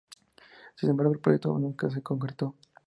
Sin embargo, el proyecto nunca se concretó.